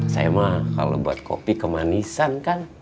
saya mah kalau buat kopi kemanisan kan